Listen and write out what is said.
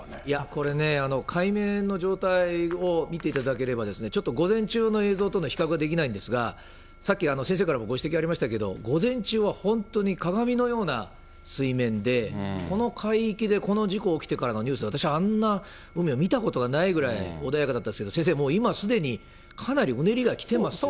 これね、海面の状態を見ていただければ、ちょっと、午前中の映像との比較ができないんですが、さっき先生からもご指摘ありましたけれども、午前中は本当に鏡のような水面で、この海域で、この事故起きてからのニュース、私あんな海は見たことがないぐらい穏やかだったですけれども、先生、今すでにかなりうねりが来てますね。